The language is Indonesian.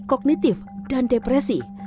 kognitif dan depresi